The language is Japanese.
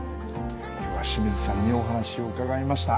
今日は清水さんにお話を伺いました。